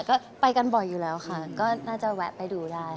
ก็ไปกันบ่อยอยู่แล้วค่ะก็น่าจะแวะไปดูได้ค่ะ